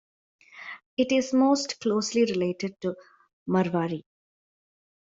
It is most closely related to Marwari.